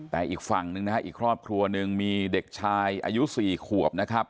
แต่อีกฝั่งหนึ่งนะฮะอีกครอบครัวหนึ่งมีเด็กชายอายุ๔ขวบนะครับ